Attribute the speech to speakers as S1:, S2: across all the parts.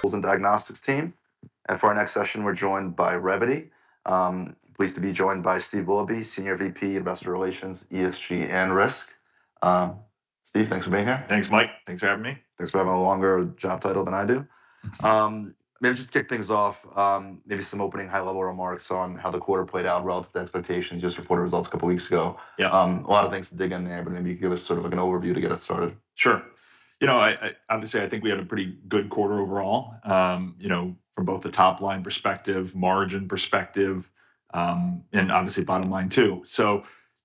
S1: Tools and Diagnostics team. For our next session, we're joined by Revvity. Pleased to be joined by Steve Willoughby, Senior Vice President, Investor Relations, ESG, and Risk. Steve, thanks for being here.
S2: Thanks, Mike. Thanks for having me.
S1: Thanks for having a longer job title than I do. Maybe just kick things off, maybe some opening high-level remarks on how the quarter played out relative to expectations. You just reported results a couple weeks ago.
S2: Yeah.
S1: A lot of things to dig in there, but maybe give us sort of like an overview to get us started.
S2: Sure. You know, I, obviously, I think we had a pretty good quarter overall, you know, from both the top line perspective, margin perspective, and obviously bottom line too. You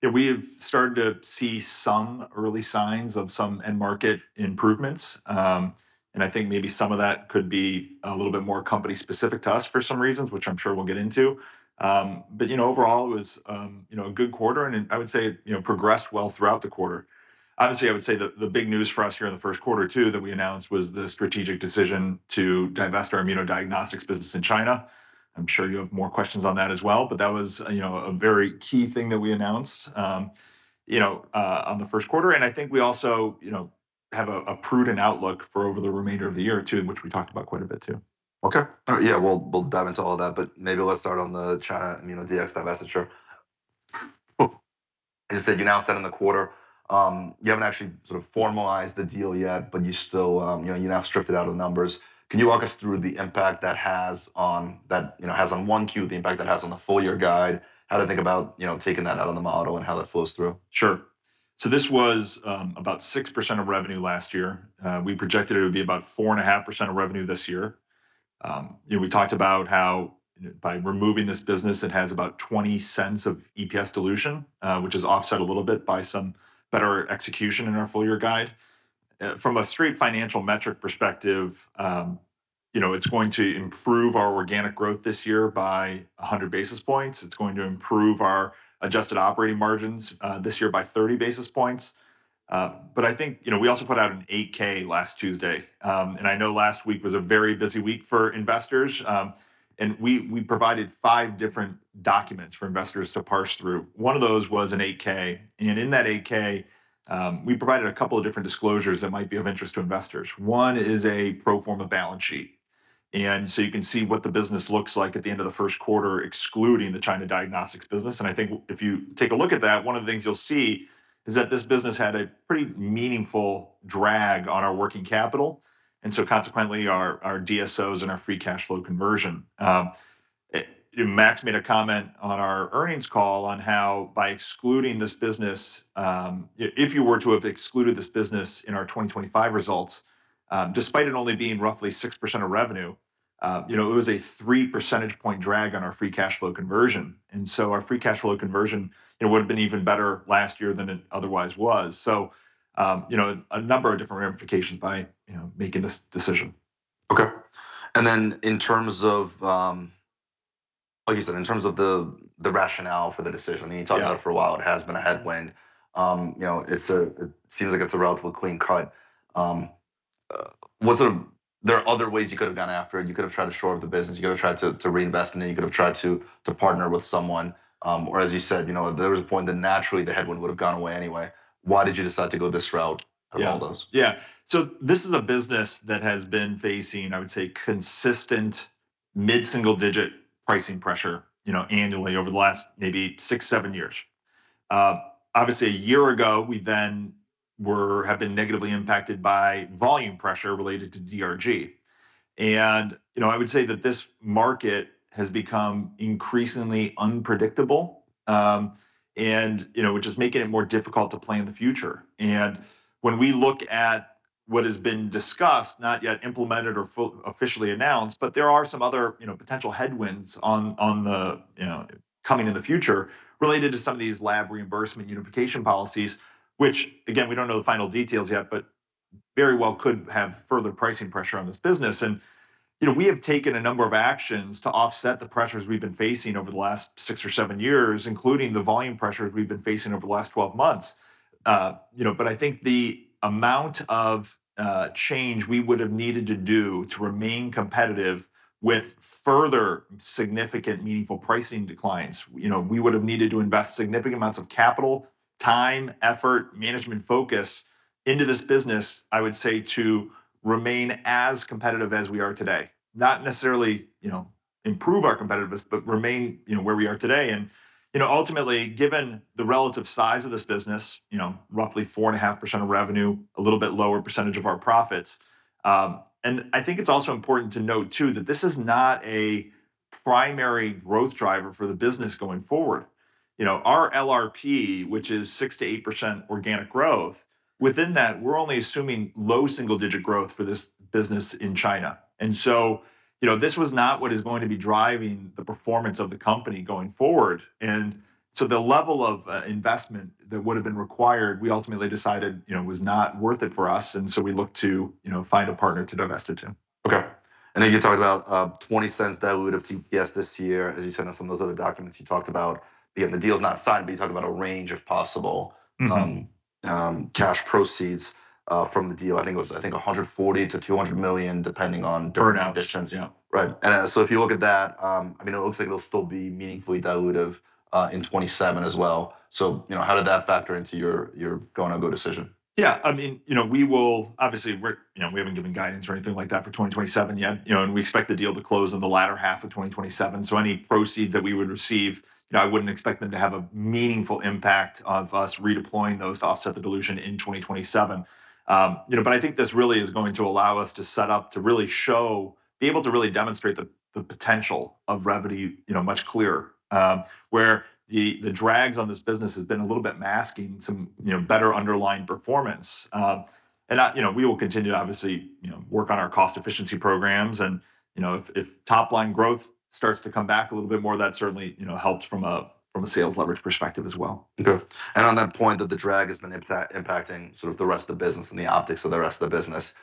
S2: know, we've started to see some early signs of some end market improvements. I think maybe some of that could be a little bit more company specific to us for some reasons, which I'm sure we'll get into. You know, overall it was, you know, a good quarter and I would say, you know, progressed well throughout the quarter. Obviously, I would say the big news for us here in the first quarter too that we announced was the strategic decision to divest our immunodiagnostics business in China. I'm sure you have more questions on that as well, but that was, you know, a very key thing that we announced, you know, on the first quarter. I think we also, you know, have a prudent outlook for over the remainder of the year too, which we talked about quite a bit too.
S1: Okay. Yeah, we'll dive into all of that. Maybe let's start on the China immuno-Dx divestiture. As I said, you now said in the quarter, you haven't actually sort of formalized the deal yet, but you still, you know, you now stripped it out of the numbers. Can you walk us through the impact that has on 1Q, the impact that has on the full year guide, how to think about, you know, taking that out on the model and how that flows through?
S2: Sure. This was, about 6% of revenue last year. We projected it would be about 4.5% of revenue this year. you know, we talked about how by removing this business, it has about $0.20 of EPS dilution, which is offset a little bit by some better execution in our full year guide. From a straight financial metric perspective, you know, it's going to improve our organic growth this year by 100 basis points. It's going to improve our adjusted operating margins, this year by 30 basis points. I think, you know, we also put out an 8-K last Tuesday. I know last week was a very busy week for investors. We provided five different documents for investors to parse through. One of those was an 8-K. In that 8-K, we provided a couple of different disclosures that might be of interest to investors. One is a pro forma balance sheet. You can see what the business looks like at the end of the first quarter, excluding the China diagnostics business. I think if you take a look at that, one of the things you'll see is that this business had a pretty meaningful drag on our working capital, consequently our DSOs and our free cash flow conversion. You know, Max made a comment on our earnings call on how by excluding this business, if you were to have excluded this business in our 2025 results, despite it only being roughly 6% of revenue, you know, it was a 3 percentage point drag on our free cash flow conversion. Our free cash flow conversion, you know, would've been even better last year than it otherwise was. You know, a number of different ramifications by, you know, making this decision.
S1: Okay. In terms of, like you said, in terms of the rationale for the decision
S2: Yeah.
S1: You talked about it for a while, it has been a headwind. you know, it seems like it's a relatively clean cut. there are other ways you could have gone after it. You could have tried to shore up the business. You could have tried to reinvest in it. You could have tried to partner with someone. As you said, you know, there was a point that naturally the headwind would've gone away anyway. Why did you decide to go this route out of all those?
S2: Yeah. Yeah. This is a business that has been facing, I would say, consistent mid-single-digit pricing pressure, you know, annually over the last maybe six, seven years. obviously a year ago, we have been negatively impacted by volume pressure related to DRG. You know, I would say that this market has become increasingly unpredictable, and you know, which is making it more difficult to plan the future. When we look at what has been discussed, not yet implemented or officially announced, but there are some other, you know, potential headwinds on the, you know, coming in the future related to some of these lab reimbursement unification policies, which again, we don't know the final details yet, but very well could have further pricing pressure on this business. You know, we have taken a number of actions to offset the pressures we've been facing over the last six or seven years, including the volume pressures we've been facing over the last 12 months. You know, I think the amount of change we would've needed to do to remain competitive with further significant meaningful pricing declines, you know, we would've needed to invest significant amounts of capital, time, effort, management focus into this business, I would say, to remain as competitive as we are today. Not necessarily, you know, improve our competitiveness, but remain, you know, where we are today. You know, ultimately, given the relative size of this business, you know, roughly 4.5% of revenue, a little bit lower percentage of our profits. I think it's also important to note too that this is not a primary growth driver for the business going forward. You know, our LRP, which is 6%-8% organic growth, within that, we're only assuming low single digit growth for this business in China. This was not what is going to be driving the performance of the company going forward. The level of investment that would've been required, we ultimately decided, you know, was not worth it for us. We looked to, you know, find a partner to divest it to.
S1: Okay. I know you talked about $0.20 diluted EPS this year, as you sent us on those other documents you talked about. The deal's not signed, but you talked about a range, if possible. Cash proceeds from the deal, I think it was, I think $140 million-$200 million.
S2: Earnouts
S1: Different. Yeah. Right. If you look at that, I mean, it looks like they'll still be meaningfully dilutive in 2027 as well. You know, how did that factor into your go-or-no-go decision?
S2: I mean, you know, we haven't given guidance or anything like that for 2027 yet, you know, and we expect the deal to close in the latter half of 2027. Any proceeds that we would receive, you know, I wouldn't expect them to have a meaningful impact of us redeploying those to offset the dilution in 2027. You know, I think this really is going to allow us to set up to really show, be able to really demonstrate the potential of Revvity, you know, much clearer. Where the drags on this business has been a little bit masking some, you know, better underlying performance. That, you know, we will continue to obviously, you know, work on our cost efficiency programs and, you know, if top line growth starts to come back a little bit more, that certainly, you know, helps from a sales leverage perspective as well.
S1: Okay. On that point, that the drag has been impacting sort of the rest of the business and the optics of the rest of the business,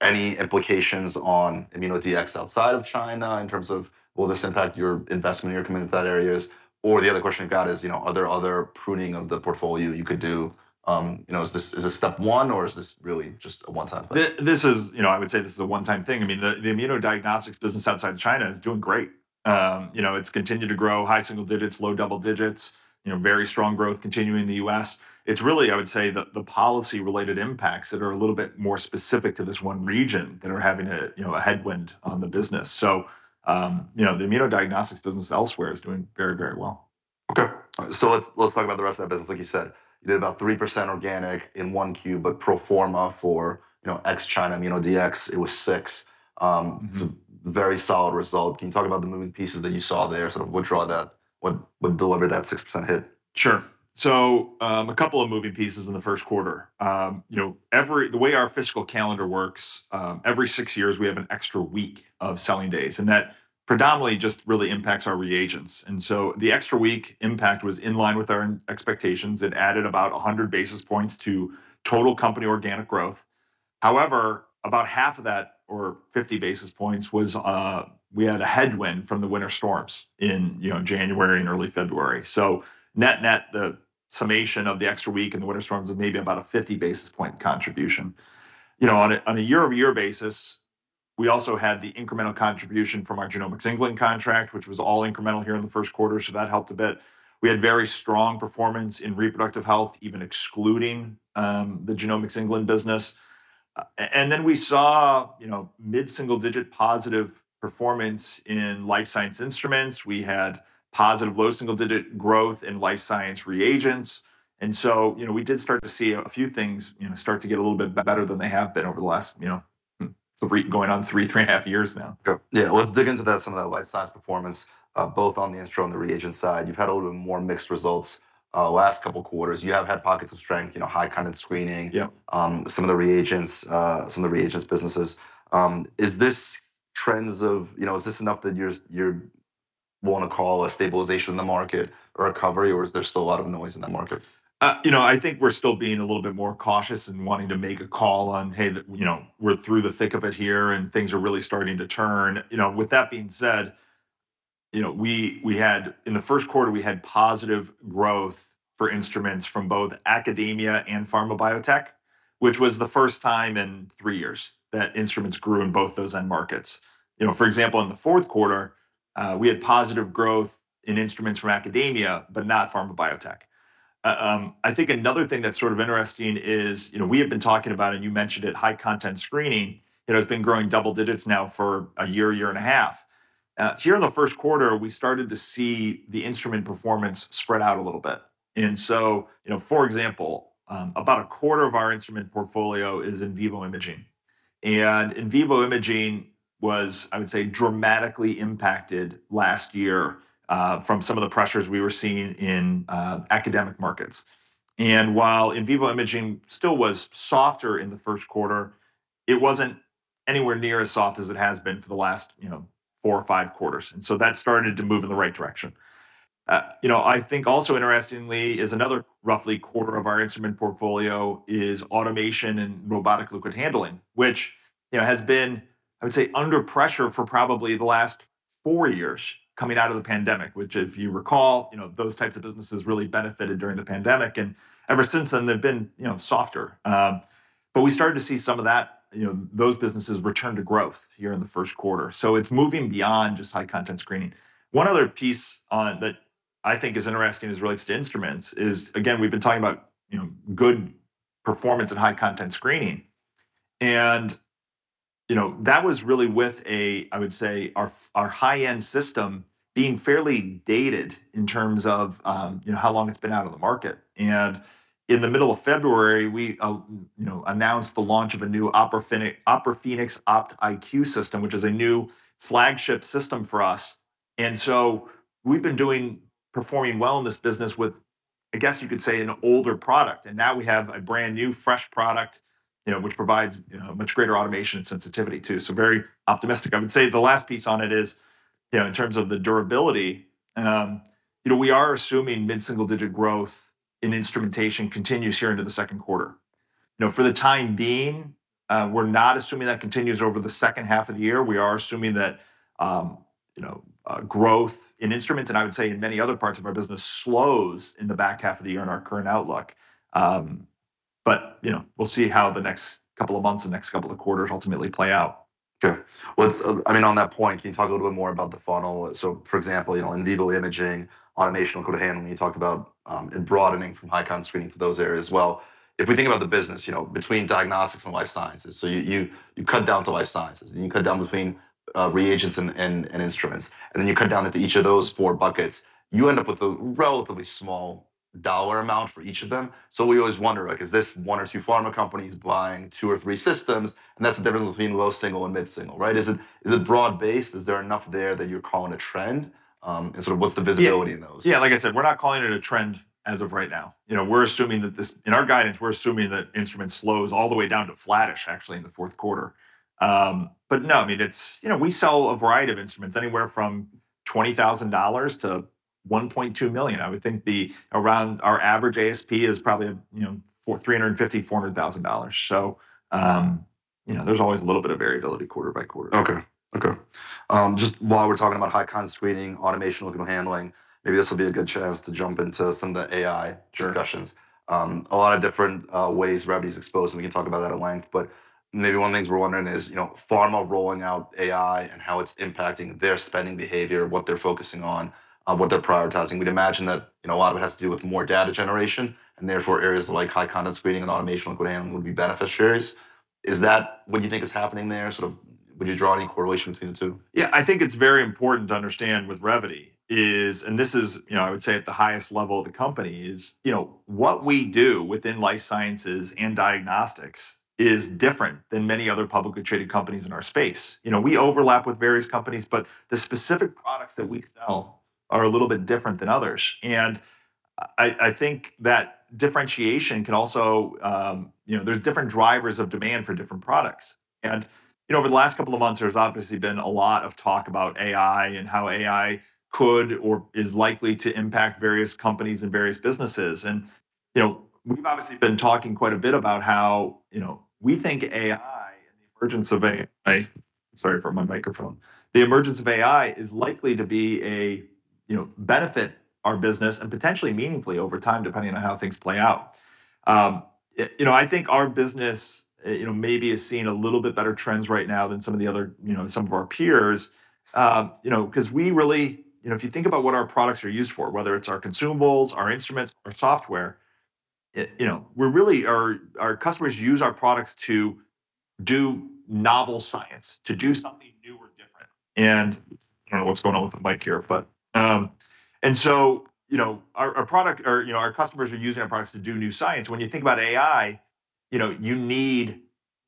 S1: any implications on immuno-Dx outside of China in terms of will this impact your investment or your commitment to that areas? The other question I've got is, you know, are there other pruning of the portfolio you could do? You know, is this step one, or is this really just a one-time thing?
S2: This is, you know, I would say this is a one-time thing. I mean, the immunodiagnostics business outside of China is doing great. You know, it's continued to grow high single digits, low double digits. You know, very strong growth continuing in the U.S. It's really, I would say, the policy related impacts that are a little bit more specific to this one region that are having a, you know, a headwind on the business. You know, the immunodiagnostics business elsewhere is doing very, very well.
S1: Okay. Let's talk about the rest of that business. Like you said, you did about 3% organic in 1Q, but pro forma for, you know, ex-China immuno-Dx, it was 6%. It's a very solid result. Can you talk about the moving pieces that you saw there, sort of what drove that, what delivered that 6% hit?
S2: Sure. A couple of moving pieces in the first quarter. You know, every The way our fiscal calendar works, every six years we have an extra week of selling days, and that predominantly just really impacts our reagents. The extra week impact was in line with our expectations. It added about 100 basis points to total company organic growth. However, about half of that or 50 basis points was, we had a headwind from the winter storms in, you know, January and early February. Net-net, the summation of the extra week and the winter storms was maybe about a 50 basis point contribution. You know, on a year-over-year basis, we also had the incremental contribution from our Genomics England contract, which was all incremental here in the first quarter, that helped a bit. We had very strong performance in reproductive health, even excluding the Genomics England business. We saw, you know, mid-single-digit positive performance in life science instruments. We had positive low-single-digit growth in life science reagents. You know, we did start to see a few things, you know, start to get a little bit better than they have been over the last, you know, three going on three and a half years now.
S1: Okay. Yeah. Let's dig into that, some of that life science performance, both on the instrument and the reagent side. You've had a little more mixed results, last couple quarters. You have had pockets of strength, you know, high content screening.
S2: Yeah
S1: Some of the reagents, some of the reagents businesses, is this trends of, you know, is this enough that you wanna call a stabilization in the market or recovery, or is there still a lot of noise in that market?
S2: You know, I think we're still being a little bit more cautious in wanting to make a call on, hey, you know, we're through the thick of it here and things are really starting to turn. You know, with that being said, you know, we had, in the first quarter, we had positive growth for instruments from both academia and pharma biotech, which was the first time in three years that instruments grew in both those end markets. You know, for example, in the fourth quarter, we had positive growth in instruments from academia, but not pharma biotech. I think another thing that's sort of interesting is, you know, we have been talking about, and you mentioned it, high content screening, you know, has been growing double digits now for a year and a half. Here in the first quarter, we started to see the instrument performance spread out a little bit. You know, for example, about a quarter of our instrument portfolio is in vivo imaging. In vivo imaging was, I would say, dramatically impacted last year from some of the pressures we were seeing in academic markets. While in vivo imaging still was softer in the first quarter, it wasn't anywhere near as soft as it has been for the last, you know, four or five quarters. That started to move in the right direction. You know, I think also interestingly is another roughly quarter of our instrument portfolio is automation and robotic liquid handling, which, you know, has been, I would say, under pressure for probably the last four years coming out of the pandemic. If you recall, you know, those types of businesses really benefited during the pandemic, and ever since then they've been, you know, softer. We started to see some of that, you know, those businesses return to growth here in the first quarter. It's moving beyond just high-content screening. One other piece on it that I think is interesting as it relates to instruments is, again, we've been talking about, you know, good performance and high-content screening. You know, that was really with a, I would say, our high-end system being fairly dated in terms of, you know, how long it's been out in the market. In the middle of February, we, you know, announced the launch of a new Opera Phenix, Opera Phenix OptIQ system, which is a new flagship system for us. We've been doing, performing well in this business with, I guess you could say, an older product, and now we have a brand-new fresh product, you know, which provides, you know, much greater automation and sensitivity too. Very optimistic. I would say the last piece on it is, you know, in terms of the durability, you know, we are assuming mid-single-digit growth in instrumentation continues here into the second quarter. You know, for the time being, we're not assuming that continues over the second half of the year. We are assuming that, you know, growth in instruments, and I would say in many other parts of our business, slows in the back half of the year in our current outlook. You know, we'll see how the next couple of months and next couple of quarters ultimately play out.
S1: Okay. What's I mean, on that point, can you talk a little bit more about the funnel? For example, you know, in vivo imaging, automation liquid handling, you talked about, in broadening from high-content screening for those areas as well. If we think about the business, you know, between diagnostics and life sciences, you cut down to life sciences, and you cut down between reagents and instruments, and then you cut down into each of those four buckets, you end up with a relatively small dollar amount for each of them. We always wonder, like, is this one or two pharma companies buying two or three systems, and that's the difference between low single and mid-single, right? Is it broad-based? Is there enough there that you're calling a trend? Sort of what's the visibility in those?
S2: Like I said, we're not calling it a trend as of right now. You know, in our guidance, we're assuming that instruments slows all the way down to flattish, actually, in the fourth quarter. No, I mean, it's You know, we sell a variety of instruments, anywhere from $20,000 to $1.2 million. I would think around our average ASP is probably, you know, $350,000-$400,000.
S1: Wow
S2: You know, there's always a little bit of variability quarter by quarter.
S1: Okay. Okay. Just while we're talking about high-content screening, automation liquid handling, maybe this will be a good chance to jump into some of the AI discussions.
S2: Sure.
S1: A lot of different ways Revvity's exposed, and we can talk about that at length, but maybe one of the things we're wondering is, you know, pharma rolling out AI and how it's impacting their spending behavior, what they're focusing on, what they're prioritizing. We'd imagine that, you know, a lot of it has to do with more data generation, and therefore areas like high-content screening and automation liquid handling would be beneficiaries. Is that what you think is happening there? Sort of, would you draw any correlation between the two?
S2: Yeah. I think it's very important to understand with Revvity, and this is, you know, I would say at the highest level of the company, what we do within life sciences and diagnostics is different than many other publicly traded companies in our space. We overlap with various companies, but the specific products that we sell are a little bit different than others. I think that differentiation can also, you know, there's different drivers of demand for different products. You know, over the last couple of months, there's obviously been a lot of talk about AI and how AI could or is likely to impact various companies and various businesses. You know, we've obviously been talking quite a bit about how, you know, we think AI and the emergence of AI. Sorry for my microphone. The emergence of AI is likely to be a, you know, benefit our business and potentially meaningfully over time, depending on how things play out. You know, I think our business, you know, maybe is seeing a little bit better trends right now than some of the other, you know, some of our peers, you know, 'cause we really if you think about what our products are used for, whether it's our consumables, our instruments, our software, we're really our customers use our products to do novel science, to do something new or different, and I don't know what's going on with the mic here, but You know, our customers are using our products to do new science. When you think about AI, you know, you need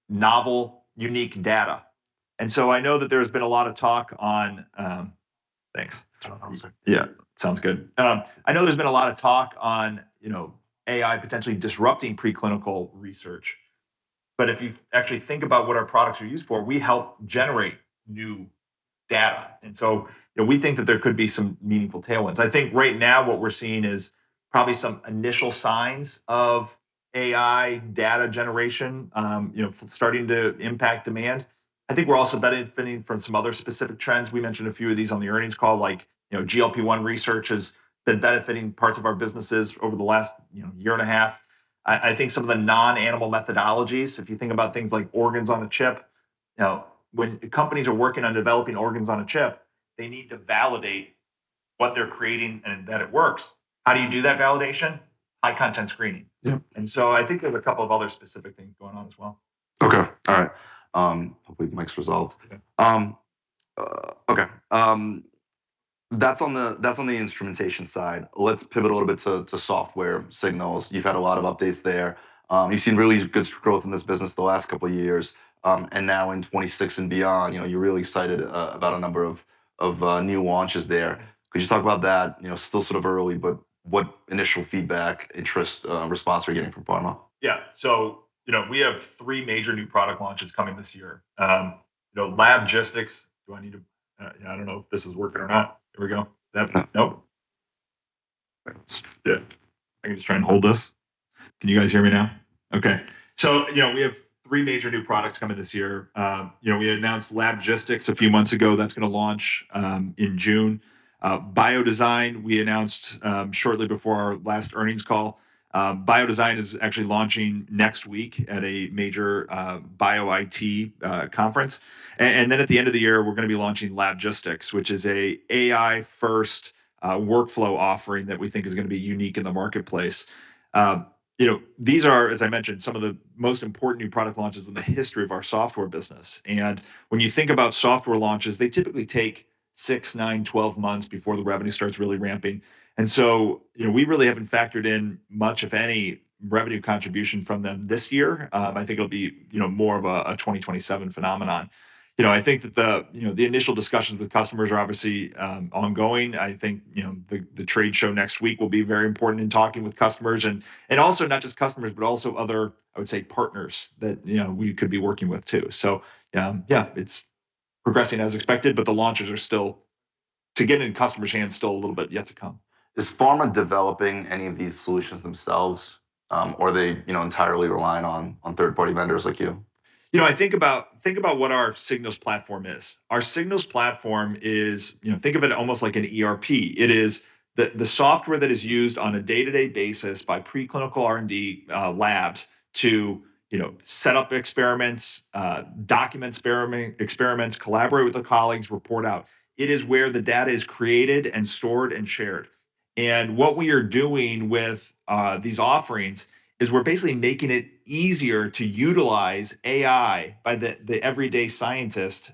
S2: novel, unique data. I know that there's been a lot of talk on. Thanks.
S1: It's on mute.
S2: Sounds good. I know there's been a lot of talk on, you know, AI potentially disrupting preclinical research, but if you actually think about what our products are used for, we help generate new data. You know, we think that there could be some meaningful tailwinds. I think right now what we're seeing is probably some initial signs of AI data generation, you know, starting to impact demand. I think we're also benefiting from some other specific trends. We mentioned a few of these on the earnings call, like, you know, GLP-1 research has been benefiting parts of our businesses over the last, you know, year and a half. I think some of the non-animal methodologies, if you think about things like organs on a chip, you know, when companies are working on developing organs on a chip, they need to validate what they're creating and that it works. How do you do that validation? High-content screening.
S1: Yeah.
S2: I think there's a couple of other specific things going on as well.
S1: Okay. All right. Hopefully mic's resolved.
S2: Yeah.
S1: Okay. That's on the instrumentation side. Let's pivot a little bit to Software Signals. You've had a lot of updates there. You've seen really good growth in this business the last couple of years. And now in 2026 and beyond, you know, you're really excited about a number of new launches there. Could you talk about that? You know, still sort of early, but what initial feedback, interest, response are you getting from pharma?
S2: Yeah. You know, we have three major new product launches coming this year. You know, LabGistics. Do I need to, yeah, I don't know if this is working or not. There we go. Is that Nope.
S1: Yeah.
S2: I can just try and hold this. Can you guys hear me now? Okay. You know, we have three major new products coming this year. You know, we announced LabGistics a few months ago. That's gonna launch in June. BioDesign we announced shortly before our last earnings call. BioDesign is actually launching next week at a major Bio-IT conference. Then at the end of the year, we're gonna be launching LabGistics, which is a AI-first workflow offering that we think is gonna be unique in the marketplace. You know, these are, as I mentioned, some of the most important new product launches in the history of our software business. When you think about software launches, they typically take six, nine, 12 months before the revenue starts really ramping. You know, we really haven't factored in much of any revenue contribution from them this year. I think it'll be, you know, more of a 2027 phenomenon. You know, I think that the, you know, the initial discussions with customers are obviously ongoing. I think, you know, the trade show next week will be very important in talking with customers, and also not just customers, but also other, I would say, partners that, you know, we could be working with too. Yeah, it's progressing as expected, but to get in customers' hands, still a little bit yet to come.
S1: Is pharma developing any of these solutions themselves, or are they, you know, entirely reliant on third-party vendors like you?
S2: I think about, think about what our Signals platform is. Our Signals platform is, think of it almost like an ERP. It is the software that is used on a day-to-day basis by pre-clinical R&D labs to set up experiments, document experiments, collaborate with their colleagues, report out. It is where the data is created and stored and shared. What we are doing with these offerings is we're basically making it easier to utilize AI by the everyday scientist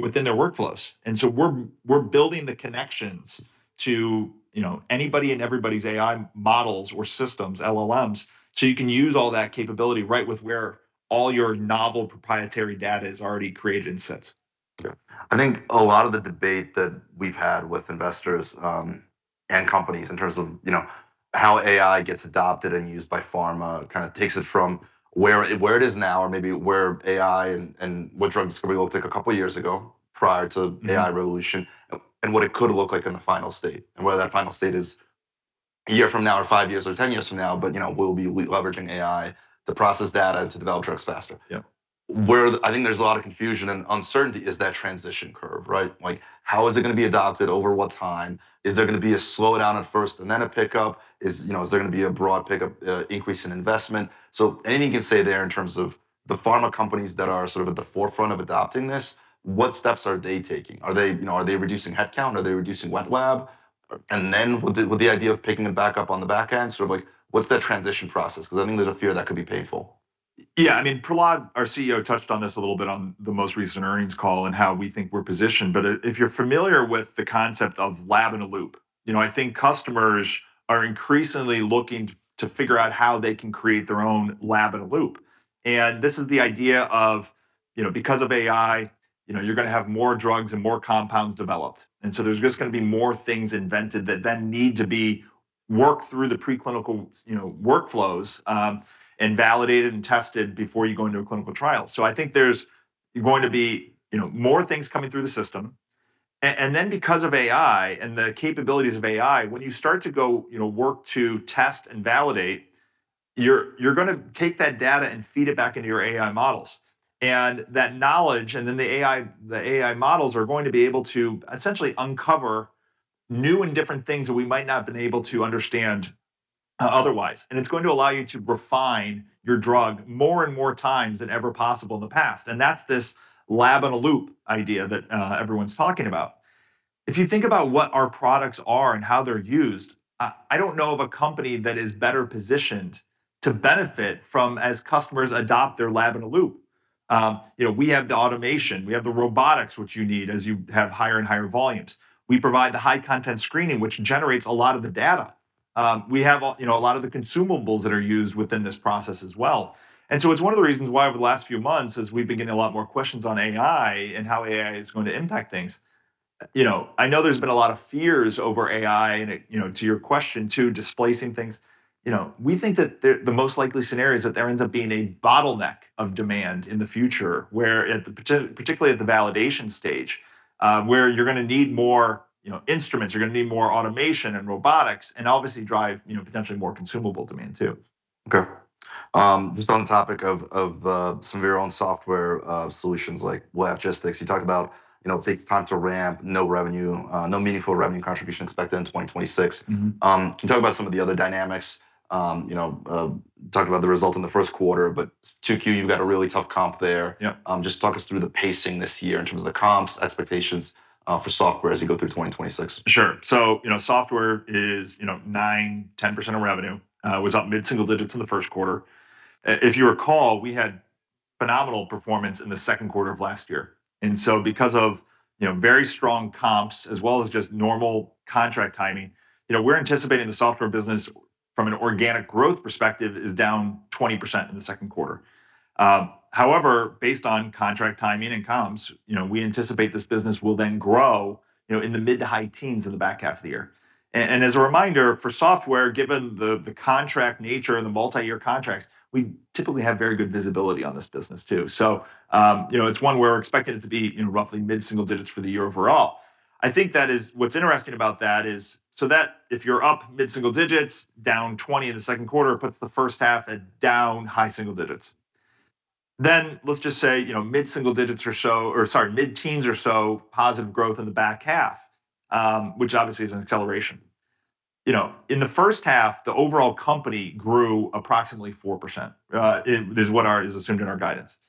S2: within their workflows. We're building the connections to anybody and everybody's AI models or systems, LLMs, so you can use all that capability right with where all your novel proprietary data is already created and sits.
S1: Okay. I think a lot of the debate that we've had with investors, and companies in terms of, you know, how AI gets adopted and used by pharma kind of takes it from where it is now or maybe where AI and what drugs are gonna be able to take a couple of years ago. AI revolution and what it could look like in the final state, and whether that final state is a year from now or five years or 10 years from now. You know, we'll be leveraging AI to process data to develop drugs faster.
S2: Yeah.
S1: Where I think there's a lot of confusion and uncertainty is that transition curve, right? Like, how is it gonna be adopted, over what time? Is there gonna be a slowdown at first and then a pickup? Is, you know, is there gonna be a broad pickup, increase in investment? Anything you can say there in terms of the pharma companies that are sort of at the forefront of adopting this, what steps are they taking? Are they, you know, are they reducing headcount? Are they reducing wet lab? With the, with the idea of picking it back up on the back end, sort of like what's that transition process? 'Cause I think there's a fear that could be painful.
S2: Yeah. I mean, Prahlad, our CEO, touched on this a little bit on the most recent earnings call and how we think we're positioned. If you're familiar with the concept of lab-in-a-loop, you know, I think customers are increasingly looking to figure out how they can create their own lab-in-a-loop. This is the idea of, you know, because of AI, you know, you're going to have more drugs and more compounds developed, and there's just going to be more things invented that then need to be worked through the preclinical, you know, workflows, and validated and tested before you go into a clinical trial. I think there's going to be, you know, more things coming through the system. Because of AI and the capabilities of AI, when you start to go, you know, work to test and validate, you're gonna take that data and feed it back into your AI models. That knowledge then the AI models are going to be able to essentially uncover new and different things that we might not have been able to understand otherwise, it's going to allow you to refine your drug more and more times than ever possible in the past, and that's this lab-in-a-loop idea that everyone's talking about. If you think about what our products are and how they're used, I don't know of a company that is better positioned to benefit from as customers adopt their lab-in-a-loop. You know, we have the automation, we have the robotics, which you need as you have higher and higher volumes. We provide the high-content screening, which generates a lot of the data. We have, you know, a lot of the consumables that are used within this process as well. It's one of the reasons why over the last few months is we've been getting a lot more questions on AI and how AI is going to impact things. You know, I know there's been a lot of fears over AI and, you know, to your question too, displacing things. You know, we think that the most likely scenario is that there ends up being a bottleneck of demand in the future, where particularly at the validation stage, where you're gonna need more, you know, instruments, you're gonna need more automation and robotics and obviously drive, you know, potentially more consumable demand too.
S1: Okay. Just on the topic of some of your own software solutions, like Signals LabGistics, you talked about, you know, it takes time to ramp, no revenue, no meaningful revenue contribution expected in 2026. Can you talk about some of the other dynamics, you know, talk about the result in the first quarter, but 2Q, you've got a really tough comp there.
S2: Yeah.
S1: Just talk us through the pacing this year in terms of the comps, expectations for software as you go through 2026.
S2: Sure. you know, software is, you know, 9%-10% of revenue, was up mid-single digits in the first quarter. If you recall, we had phenomenal performance in the second quarter of last year, because of, you know, very strong comps as well as just normal contract timing, you know, we're anticipating the software business from an organic growth perspective is down 20% in the second quarter. However, based on contract timing and comps, you know, we anticipate this business will grow, you know, in the mid to high teens in the back half of the year. As a reminder for software, given the contract nature and the multi-year contracts, we typically have very good visibility on this business too. You know, it's one where we're expecting it to be, you know, roughly mid-single digits for the year overall. I think what's interesting about that is if you're up mid-single digits, down 20% in the second quarter, it puts the first half at down high single digits. Let's just say, you know, mid-single digits or so, or sorry, mid-teens or so, positive growth in the back half, which obviously is an acceleration. You know, in the first half, the overall company grew approximately 4%. It is assumed in our guidance.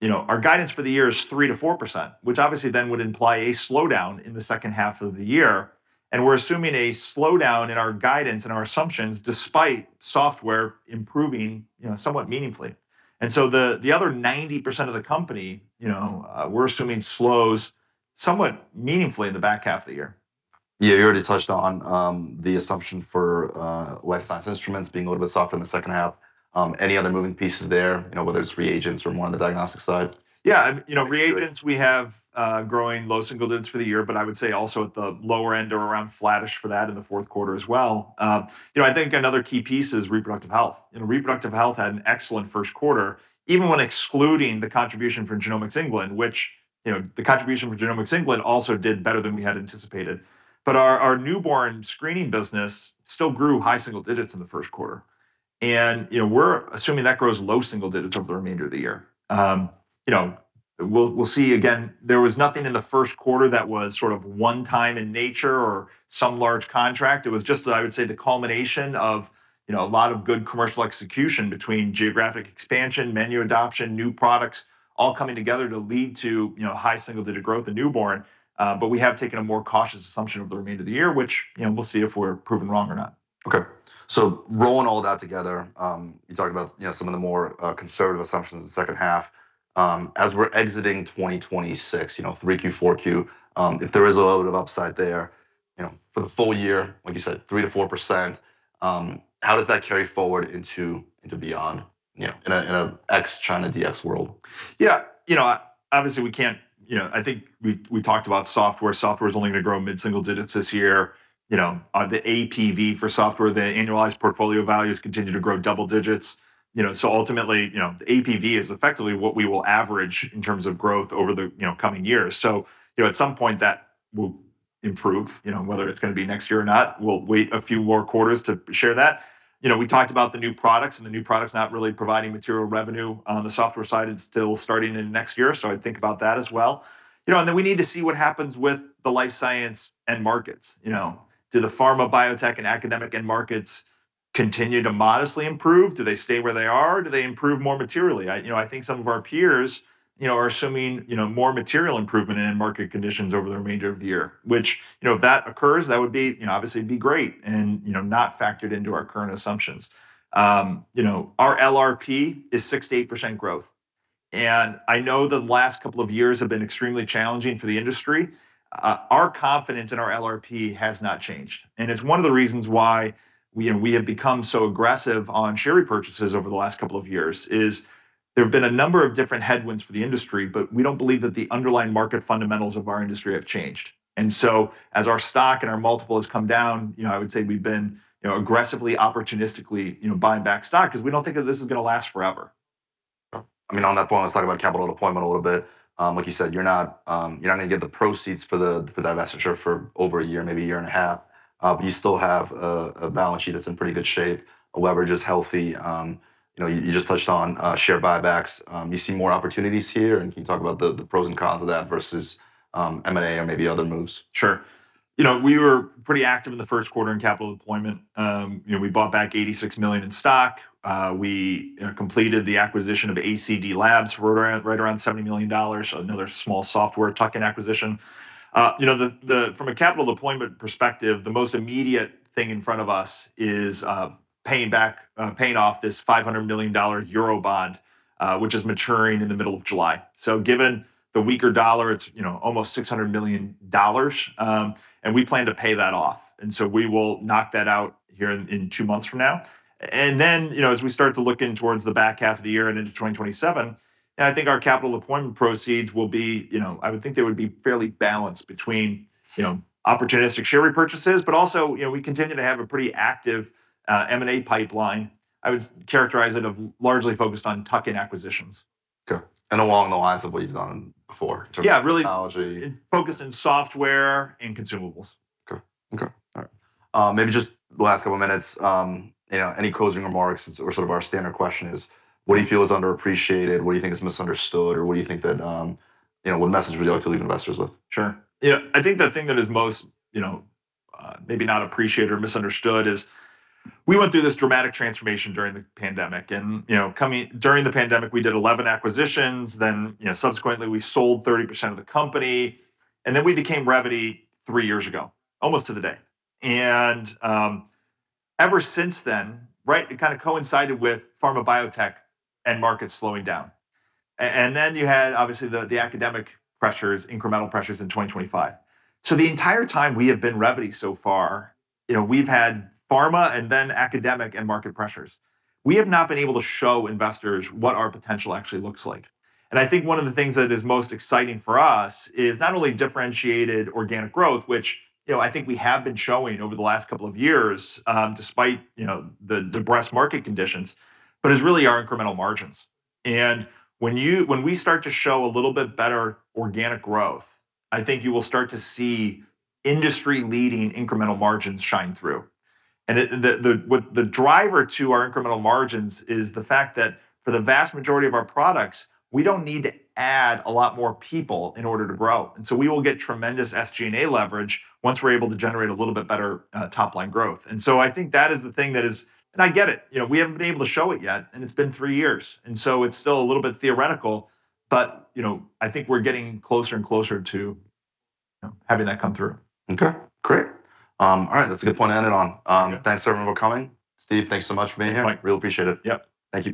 S2: You know, our guidance for the year is 3%-4%, which obviously then would imply a slowdown in the second half of the year, and we're assuming a slowdown in our guidance and our assumptions despite software improving, you know, somewhat meaningfully. The other 90% of the company, you know, we're assuming slows somewhat meaningfully in the back half of the year.
S1: Yeah, you already touched on the assumption for life science instruments being a little bit softer in the second half. Any other moving pieces there, you know, whether it's reagents or more on the diagnostic side?
S2: You know, reagents we have growing low single digits for the year, but I would say also at the lower end or around flattish for that in the fourth quarter as well. You know, I think another key piece is reproductive health. You know, reproductive health had an excellent first quarter, even when excluding the contribution from Genomics England, which, you know, the contribution from Genomics England also did better than we had anticipated. Our newborn screening business still grew high single digits in the first quarter. You know, we're assuming that grows low single digits over the remainder of the year. You know, we'll see. Again, there was nothing in the first quarter that was sort of one time in nature or some large contract. It was just, I would say, the culmination of, you know, a lot of good commercial execution between geographic expansion, menu adoption, new products, all coming together to lead to, you know, high single-digit growth in newborn. We have taken a more cautious assumption over the remainder of the year, which, you know, we'll see if we're proven wrong or not.
S1: Okay. Rolling all that together, you talked about, you know, some of the more, conservative assumptions in the second half. As we're exiting 2026, you know, 3Q, 4Q, if there is a load of upside there, you know, for the full year, like you said, 3%-4%, how does that carry forward into beyond, you know, in a, in a ex-China Dx world?
S2: You know, I think we talked about software. Software's only gonna grow mid-single digits this year. You know, the APV for software, the annualized portfolio values continue to grow double digits. You know, ultimately, you know, APV is effectively what we will average in terms of growth over the, you know, coming years. You know, at some point that will improve. You know, whether it's gonna be next year or not, we'll wait a few more quarters to share that. You know, we talked about the new products, the new products not really providing material revenue on the software side until starting in next year. I'd think about that as well. You know, we need to see what happens with the life science end markets. You know, do the pharma, biotech, and academic end markets continue to modestly improve? Do they stay where they are? Do they improve more materially? I think some of our peers, you know, are assuming, you know, more material improvement in end market conditions over the remainder of the year, which, you know, if that occurs, that would be, you know, obviously it'd be great and, you know, not factored into our current assumptions. You know, our LRP is 6%-8% growth, and I know the last couple of years have been extremely challenging for the industry. Our confidence in our LRP has not changed, and it's one of the reasons why we have become so aggressive on share repurchases over the last two years, is there have been a number of different headwinds for the industry, but we don't believe that the underlying market fundamentals of our industry have changed. As our stock and our multiple has come down, you know, I would say we've been, you know, aggressively, opportunistically, you know, buying back stock 'cause we don't think that this is gonna last forever.
S1: I mean, on that point, let's talk about capital deployment a little bit. Like you said, you're not gonna get the proceeds for the, for that venture for over a year, maybe a year and a half. You still have a balance sheet that's in pretty good shape. Leverage is healthy. You know, you just touched on share buybacks. Do you see more opportunities here, and can you talk about the pros and cons of that versus M&A or maybe other moves?
S2: Sure. You know, we were pretty active in the first quarter in capital deployment. You know, we bought back $86 million in stock. We, you know, completed the acquisition of ACD/Labs right around $70 million. Another small software tuck-in acquisition. You know, from a capital deployment perspective, the most immediate thing in front of us is paying off this 500 million euro bond, which is maturing in the middle of July. Given the weaker dollar, it's, you know, almost $600 million. We plan to pay that off, we will knock that out here in two months from now. You know, as we start to look in towards the back half of the year and into 2027, I think our capital deployment proceeds will be, you know, I would think they would be fairly balanced between, you know, opportunistic share repurchases, but also, you know, we continue to have a pretty active M&A pipeline. I would characterize it of largely focused on tuck-in acquisitions.
S1: Okay. Along the lines of what you've done before in terms of.
S2: Yeah, really-
S1: Technology.
S2: Focused in software and consumables.
S1: Okay. Okay. All right. Maybe just the last couple minutes, you know, any closing remarks? Sort of our standard question is what do you feel is underappreciated? What do you think is misunderstood, or what do you think that, you know, what message would you like to leave investors with?
S2: Sure. Yeah, I think the thing that is most, you know, maybe not appreciated or misunderstood is we went through this dramatic transformation during the pandemic and, you know, during the pandemic, we did 11 acquisitions. You know, subsequently, we sold 30% of the company, we became Revvity three years ago, almost to the day. Ever since then, right, it kind of coincided with pharma, biotech, end markets slowing down. Then you had obviously the academic pressures, incremental pressures in 2025. The entire time we have been Revvity so far, you know, we've had pharma and then academic end market pressures. We have not been able to show investors what our potential actually looks like. I think one of the things that is most exciting for us is not only differentiated organic growth, which, you know, I think we have been showing over the last couple of years, despite, you know, the broad market conditions, but is really our incremental margins. When we start to show a little bit better organic growth, I think you will start to see industry-leading incremental margins shine through. The driver to our incremental margins is the fact that for the vast majority of our products, we don't need to add a lot more people in order to grow. So we will get tremendous SG&A leverage once we're able to generate a little bit better top line growth. I think that is the thing. I get it, you know, we haven't been able to show it yet, and it's been three years. It's still a little bit theoretical, but, you know, I think we're getting closer and closer to, you know, having that come through.
S1: Okay. Great. All right, that's a good point to end it on. Thanks everyone for coming. Steve, thanks so much for being here.
S2: Thanks, Mike.
S1: Really appreciate it.
S2: Yep.
S1: Thank you.